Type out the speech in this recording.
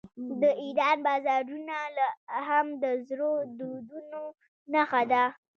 د ایران بازارونه لا هم د زړو دودونو نښه ده.